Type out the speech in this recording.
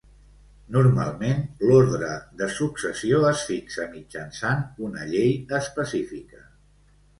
Normalment l'ordre de successió es fixa mitjançant una llei específica.